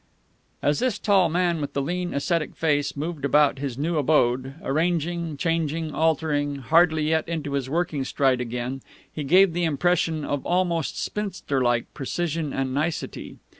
As this tall man with the lean, ascetic face moved about his new abode, arranging, changing, altering, hardly yet into his working stride again, he gave the impression of almost spinster like precision and nicety.